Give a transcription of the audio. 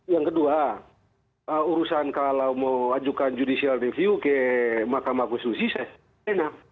yang kedua urusan kalau mau ajukan judicial review ke mahkamah konstitusi enak